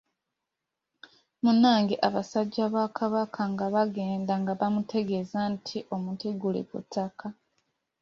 Munnange abasajja bakabaka nga bagenda bamutegeeza nti omuti guli kuttaka.